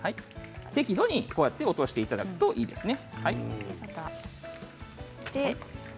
適度に落としていただくといいですね。